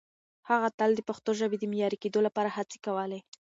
هغه تل د پښتو ژبې د معیاري کېدو لپاره هڅې کولې.